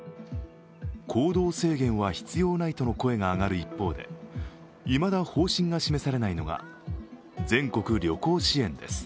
行動制限は必要ないとの声が上がる一方でいまだ方針が示されないのが全国旅行支援です。